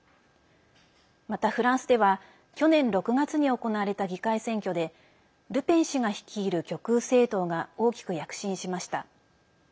また、フランスでは去年６月に行われた議会選挙でルペン氏が率いる極右政党が大きく躍進しました。